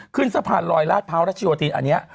ขึ้นสะพานรอยลาดเภารสชิโหทินอันนี้